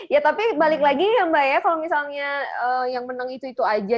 ya tapi balik lagi ya mbak ya kalau misalnya yang menang itu itu aja